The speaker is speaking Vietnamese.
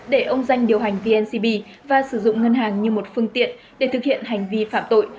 để ông danh điều hành vncb và sử dụng ngân hàng như một phương tiện để thực hiện hành vi phạm tội